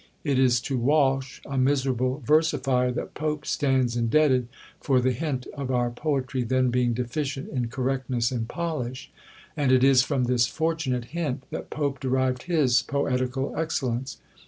It is to Walsh, a miserable versifier, that Pope stands indebted for the hint of our poetry then being deficient in correctness and polish; and it is from this fortunate hint that Pope derived his poetical excellence.